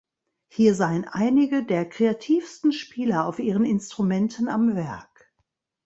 Hier seien einige der kreativsten Spieler auf ihren Instrumenten am Werk.